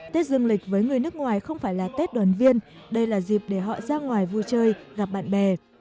tết dương lịch với người nước ngoài không phải là tết đoàn viên đây là dịp để họ ra ngoài vui chơi gặp bạn bè